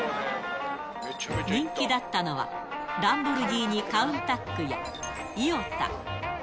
人気だったのは、ランボルギーニ・カウンタックや、イオタ。